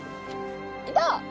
いた！